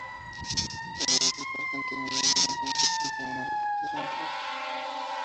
Las aguas del parque han tenido durante mucho tiempo una reputación por sus truchas.